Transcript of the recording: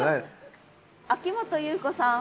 秋元優子さん。